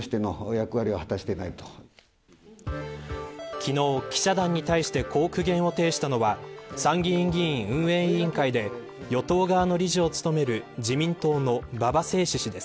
昨日、記者団に対してこう苦言を呈したのは参議院議院運営委員会で与党側の理事を務める自民党の馬場成志氏です。